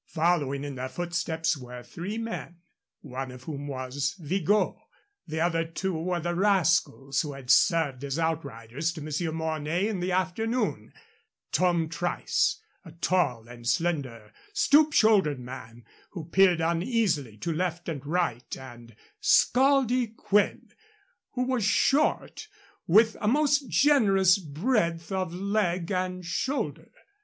Following in their footsteps were three men, one of whom was Vigot. The other two were the rascals who had served as outriders to Monsieur Mornay in the afternoon: Tom Trice, a tall and slender, stoop shouldered man, who peered uneasily to left and right, and "Scaldy" Quinn, who was short, with a most generous breadth of leg and shoulder.